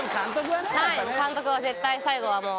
はい監督は絶対最後はもう。